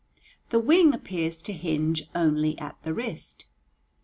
The wing appears to hinge only at the wrist.